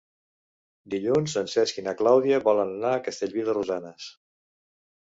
Dilluns en Cesc i na Clàudia volen anar a Castellví de Rosanes.